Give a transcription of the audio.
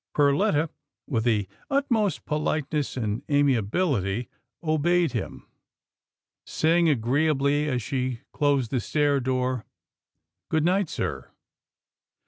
Perletta, with the utmost politeness and amiabil ity, obeyed him, saying agreeably as she closed the stair door, " Good night, sir."